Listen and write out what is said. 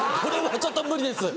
ちょっと無理です。